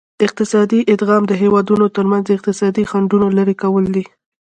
اقتصادي ادغام د هیوادونو ترمنځ د اقتصادي خنډونو لرې کول دي